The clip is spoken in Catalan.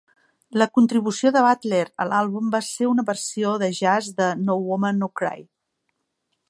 La contribució de Butler a l'àlbum va ser una versió de jazz de "No Woman No Cry".